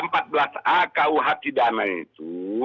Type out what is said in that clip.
pasal empat belas a kuh pidana itu